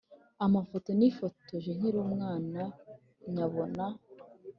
amafoto nifotoje nkiri umwana nyabona